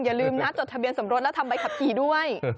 อย่าลืมนะจดทะเบียนสมรสแล้วทำใบขับขี่ด้วย